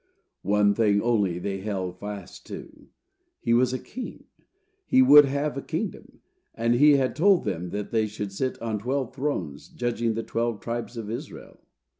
One thing only they held fast to: he was a king, he would have a kingdom; and he had told them that they should sit on twelve thrones, judging the twelve tribes of Israel.